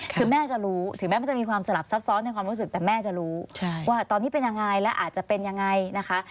คือแม่จะรู้ถึงแม้มันจะมีความสลับซับซ้อนในความรู้สึกแต่แม่จะรู้ว่าตอนนี้เป็นยังไงและอาจจะเป็นยังไงนะคะ